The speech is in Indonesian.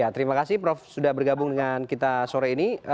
terima kasih prof sudah bergabung dengan kita sore ini